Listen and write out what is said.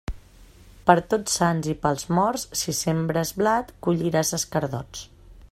Per Tots Sants i pels Morts, si sembres blat, colliràs escardots.